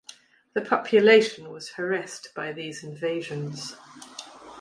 The population was harassed by these invasions.